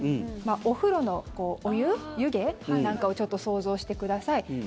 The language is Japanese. お風呂のお湯、湯気なんかをちょっと想像してください。